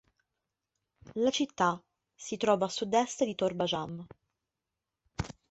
La città si trova a sud-est di Torbat-e-Jam.